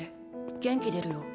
元気出るよ。